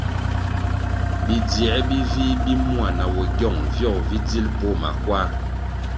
Bidziē bi vih bi mua na bogyong viogo vi dzil poh makwar.